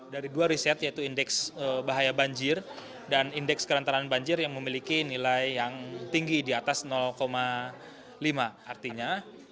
dari dua riset yaitu indeks bahaya banjir dan indeks kerantaran banjir yang memiliki nilai yang tinggi di atas lima artinya